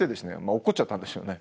落っこっちゃったんですよね。